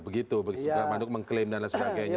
begitu sepanduk mengklaim dan sebagainya